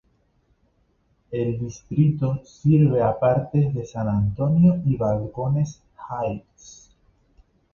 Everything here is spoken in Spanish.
El distrito sirve a partes de San Antonio y Balcones Heights.